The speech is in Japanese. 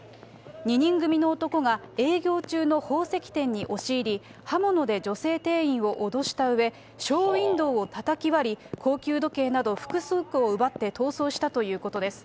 ２人組の男が営業中の宝石店に押し入り、刃物で女性店員を脅したうえ、ショーウインドーをたたき割り、高級時計など複数個を奪って逃走したということです。